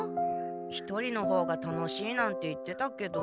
一人のほうが楽しいなんて言ってたけど。